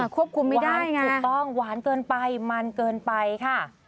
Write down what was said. ควบคุมไม่ได้ถูกต้องหวานเกินไปมันเกินไปค่ะ